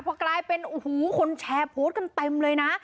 พอกลายเป็นโอ้โหคนแชร์โพสต์กันเต็มเลยนะ